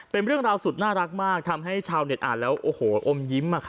เป็นเรื่องราวสุดน่ารักมากทำให้ชาวเน็ตอ่านแล้วโอ้โหอมยิ้ม